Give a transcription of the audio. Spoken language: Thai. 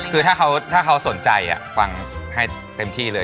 คือถ้าเขาสนใจฟังให้เต็มที่เลย